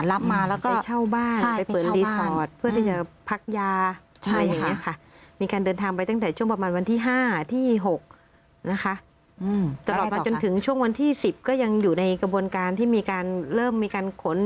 รับมาแล้วก็ไปเช่าบ้านใช่ไปเช่าบ้านเพื่อที่จะพักยาใช่ค่ะอะไรอย่างเงี้ยค่ะ